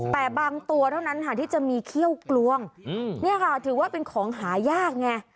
แต่บางตัวเท่านั้นค่ะที่จะมีเขี้ยวกลวงเนี่ยค่ะถือว่าเป็นของหายากไง